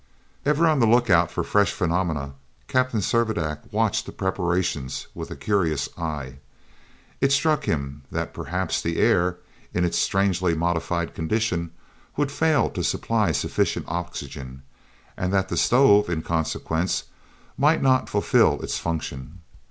Ever on the lookout for fresh phenomena, Captain Servadac watched the preparations with a curious eye. It struck him that perhaps the air, in its strangely modified condition, would fail to supply sufficient oxygen, and that the stove, in consequence, might not fulfill its function.